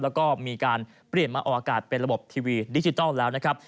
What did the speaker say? แล้วก็มีการเปลี่ยนมาออกอากาศเป็นระบบทีวีดิจิทัลแล้วนะครับ